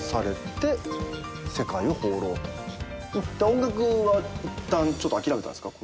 音楽はいったんちょっと諦めたんですか？